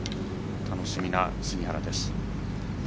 楽しみな杉原です。